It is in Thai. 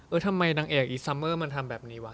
ทำไมนางเอกอีซัมเมอร์มันทำแบบนี้วะ